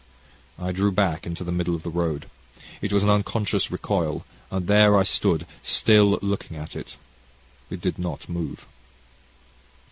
"I drew back into the middle of the road. It was an unconscious recoil, and there I stood, still looking at it. It did not move.